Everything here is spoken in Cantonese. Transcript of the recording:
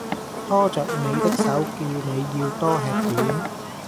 拖著你的手，叫你要多吃點